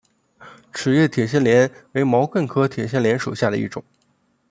齿叶铁线莲为毛茛科铁线莲属下的一个种。